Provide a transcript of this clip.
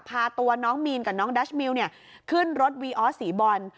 พาตัวน้องมีนกับน้องดัชมิวขึ้นรถวีออสสีบอล